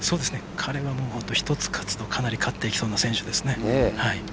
彼は本当に１つ勝つとかなり勝っていきそうな選手です。